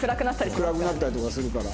暗くなったりとかするから。